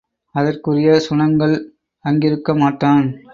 அதற்குரிய சுணங்கள் அங்கிருக்க மாட்டான்.